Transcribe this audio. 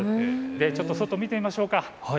ちょっと外、見てみましょうか。